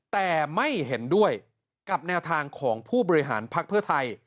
แต่ไม่เห็นด้วยกับแนวทางของผู้บริหารภักดิ์เพื่อไทย